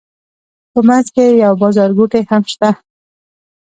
په منځ کې یې یو بازارګوټی هم شته.